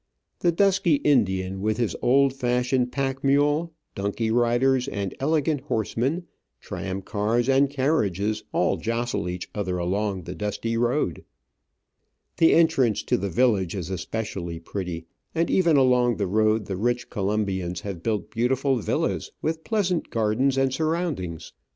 The dusky Indian with his old fashioned pack mule, donkey riders and elegant horsemen, tram cars and carriages, all jostle each other along the dusty road. The entrance to the village is especially pretty ; and even along the road the rich Colombians have built beautiful villas, with Digitized by VjOOQIC 126 Travels and Adventures pleasant gardens and surroundings.